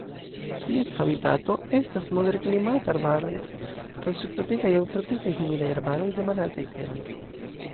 Ties habitato estas moderklimataj arbaroj kaj subtropikaj aŭ tropikaj humidaj arbaroj de malaltaj teroj.